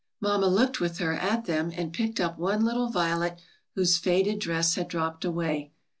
Mamma looked with her at them and picked up one little violet whose faded dress had dropped away.